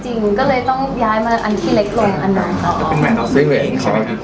ทั้งสองนี้ต้องย้ายมาอันที่เล็กหลวงเป็นแว่นตัวเองใช่มั้ย